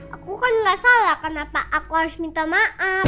aku kan gak salah kenapa aku harus minta maaf